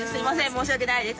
申し訳ないです。